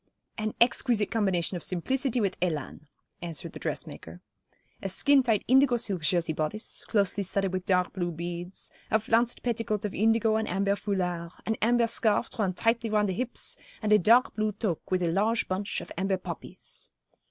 'An exquisite combination of simplicity with élan,' answered the dressmaker. 'A skin tight indigo silk Jersey bodice, closely studded with dark blue beads, a flounced petticoat of indigo and amber foulard, an amber scarf drawn tightly round the hips, and a dark blue toque with a large bunch of amber poppies.